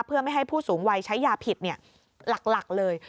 เพื่อไม่ให้ผู้สูงวัยใช้ยาผิดหลักเลย